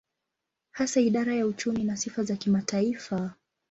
Hasa idara ya uchumi ina sifa za kimataifa.